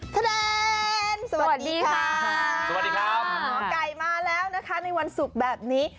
คะแนนสวัสดีค่ะสวัสดีครับหมอไก่มาแล้วนะคะในวันศุกร์แบบนี้